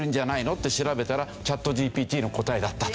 って調べたらチャットＧＰＴの答えだったと。